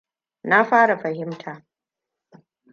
Na fara fahimta.